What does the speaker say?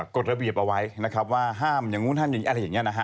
กฎระเบียบเอาไว้นะครับว่าห้ามอย่างนู้นห้ามอย่างนี้อะไรอย่างนี้นะฮะ